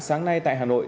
sáng nay tại hà nội